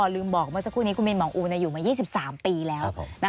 ลืมบอกเมื่อสักครู่นี้คุณมินหมองอูอยู่มา๒๓ปีแล้ว